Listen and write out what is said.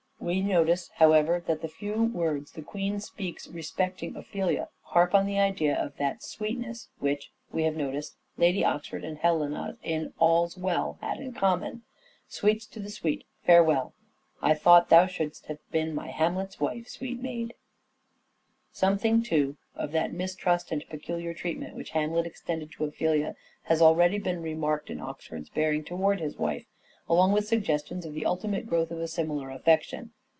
We notice, however, that the few words the Queen speaks respecting Ophelia harp on the idea of that DRAMATIC SELF REVELATION 475 sweetness which, we have noticed, Lady Oxford and Helena in " All's Well " had in common :" Sweets to the sweet : farewell ! I thought thou should'st have been my Hamlet's wife ... sweet maid." Something too, of that mistrust and peculiar treatment which Hamlet extended to Ophelia has already been remarked in Oxford's bearing towards his wife, along with suggestions of the ultimate growth of a similar affection.